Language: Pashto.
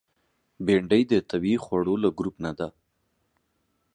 بېنډۍ د طبیعي خوړو له ګروپ نه ده